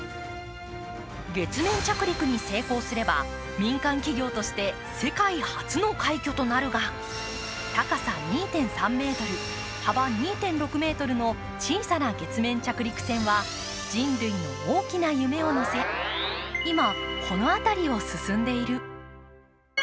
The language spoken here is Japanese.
月面着陸に成功すれば民間企業として世界初の快挙となるが高さ２．３ｍ、幅２．６ｍの小さな月面着陸船は人類の大きな夢を乗せ今、この辺りを進んでいる。